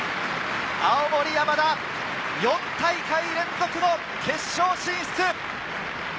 青森山田、４大会連続の決勝進出。